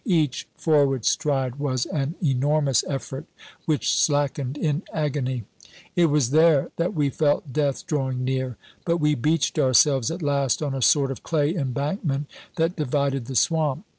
Each forward stride was an enormous effort which slackened in agony. It was there that we felt death drawing near. But we beached ourselves at last on a sort of clay embankment that divided the swamp.